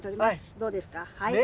どうですか。